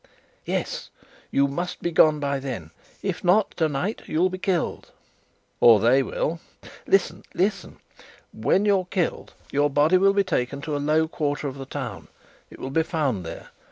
"Yes. You must be gone by then. If not, tonight you'll be killed " "Or they will." "Listen, listen! When you're killed, your body will be taken to a low quarter of the town. It will be found there.